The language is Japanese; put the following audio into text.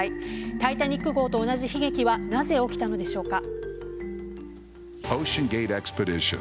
「タイタニック」号と同じ悲劇はなぜ起きたのでしょうか。